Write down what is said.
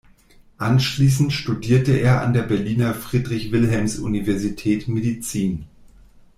Anschließend studierte er an der Berliner Friedrich-Wilhelms-Universität Medizin.